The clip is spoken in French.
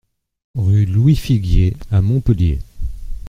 Rue Louis Figuier à Montpellier